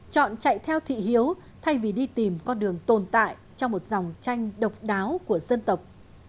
chọn chạy theo thị hiếu thay vì đi tìm con đường tồn tại trong một dòng tranh độc đáo của dân tộc